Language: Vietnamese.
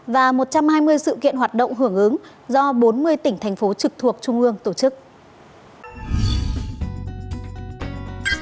và một trăm hai mươi sự kiện hoạt động hưởng ứng do bốn mươi tỉnh thành phố trực thuộc trung ương tổ chức